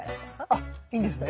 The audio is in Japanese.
あっいいんですね？